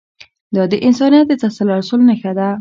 دا د انسانیت د تسلسل نښه ده.